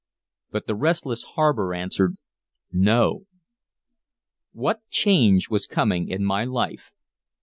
But the restless harbor answered, "No." What change was coming in my life?